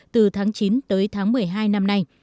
từ tháng chín tới tháng một mươi hai năm nay